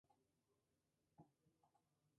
Nació en Estambul.